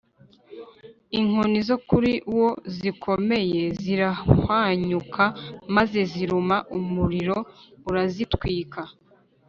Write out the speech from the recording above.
inkoni zo kuri wo zikomeye zirahwanyuka maze ziruma umuriro urazitwika